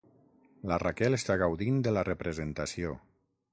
La Raquel està gaudint de la representació.